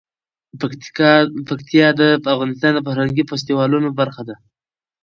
پکتیا د افغانستان د فرهنګي فستیوالونو برخه ده.